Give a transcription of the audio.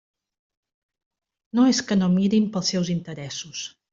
No és que no mirin pels seus interessos.